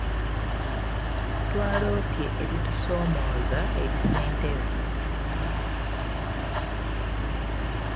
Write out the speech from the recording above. Twaloopye ebitusoomooza eri ssentebe.